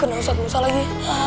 kena usah usah lagi